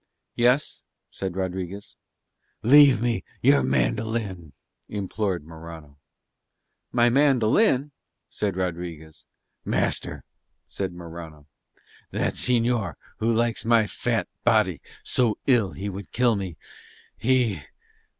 "Yes?" said Rodriguez. "Leave me your mandolin," implored Morano. "My mandolin?" said Rodriguez. "Master," said Morano, "that señor who likes my fat body so ill he would kill me, he